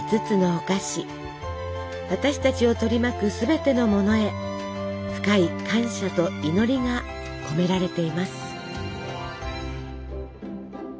私たちを取り巻くすべてのものへ深い感謝と祈りが込められています。